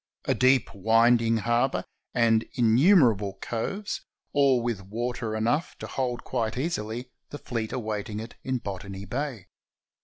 A deep winding harbor and innumerable coves, all with water enough to hold quite easily the fleet awaiting it in Botany Bay.